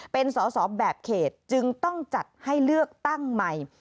เป็นสอสอแบบเขตจึงต้องจัดให้เลือกตั้งใหม่